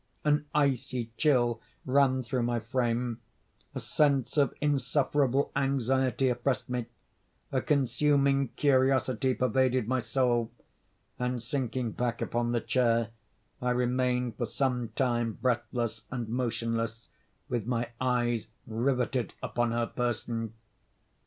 An icy chill ran through my frame; a sense of insufferable anxiety oppressed me; a consuming curiosity pervaded my soul; and sinking back upon the chair, I remained for some time breathless and motionless, with my eyes riveted upon her person.